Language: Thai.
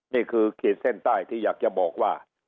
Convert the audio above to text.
นี่คือเขตเส้นใต้ที่อยากจะบอกว่า